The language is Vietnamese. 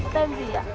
tên gì ạ